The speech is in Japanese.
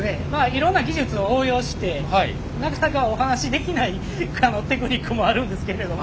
いろんな技術を応用してなかなかお話しできないテクニックもあるんですけれども。